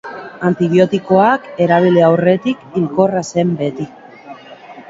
Antibiotikoak erabili aurretik hilkorra zen beti.